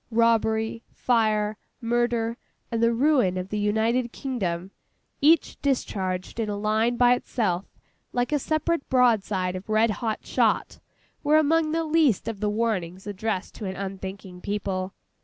Robbery, fire, murder, and the ruin of the United Kingdom—each discharged in a line by itself, like a separate broad side of red hot shot—were among the least of the warnings addressed to an unthinking people.